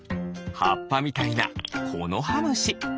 はっぱみたいなコノハムシ。